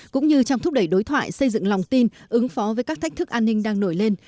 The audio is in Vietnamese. cũng như trong thúc đẩy đối thoại xây dựng lòng tin ứng phó với các thách thức an ninh đang nổi lên